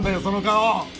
その顔！